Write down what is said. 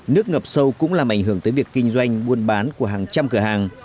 nước ngập sâu cũng làm ảnh hưởng tới việc kinh doanh buôn bán của hàng trăm cửa hàng